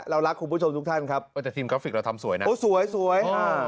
เรารักคุณผู้ชมทุกท่านครับแต่ทีมกราฟิกเราทำสวยนะโอ้สวยสวยอ่า